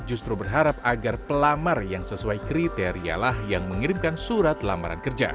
dan hr justru berharap agar pelamar yang sesuai kriterialah yang mengirimkan surat lamaran kerja